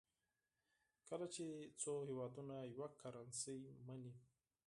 کله چې څو هېوادونه یوه کرنسي مني.